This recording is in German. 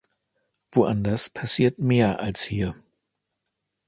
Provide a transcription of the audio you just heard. Woanders passiert mehr als hier.